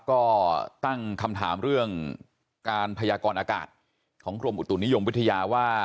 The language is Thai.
ก็ตั้งคำถามเรื่องการพยากรอากาศของกรมอุตุนิยมวิทยาว่า